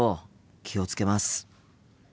気を付けます。